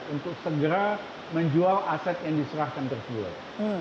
untuk segera menjual aset yang diserahkan tersebut